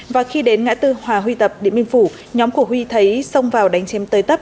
và khi đến ngã tư hòa huy tập điện minh phủ nhóm của huy thấy sông vào đánh chém tới tấp